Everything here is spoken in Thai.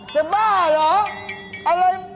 เจ็บบ้าเหรอเอาเลย